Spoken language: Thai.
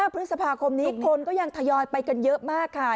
พฤษภาคมนี้คนก็ยังทยอยไปกันเยอะมากค่ะ